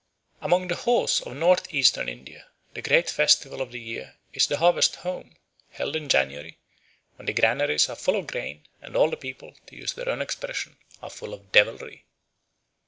Among the Hos of North Eastern India the great festival of the year is the harvest home, held in January, when the granaries are full of grain, and the people, to use their own expression, are full of devilry.